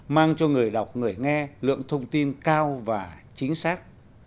mang cho người đọc người nghe lượng thông tin cao và chính xác